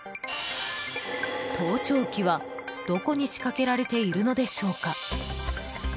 盗聴器は、どこに仕掛けられているのでしょうか？